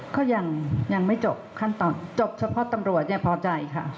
ก็ยังไม่จบขั้นตอนจบเฉพาะตำรวจเนี่ยพอใจค่ะ